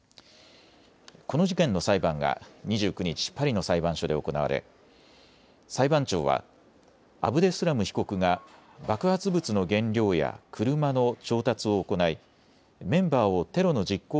この事件の裁判が２９日パリの裁判所で行われ裁判長は、アブデスラム被告が爆発物の原料や車の調達を行い、メンバーをテロの実行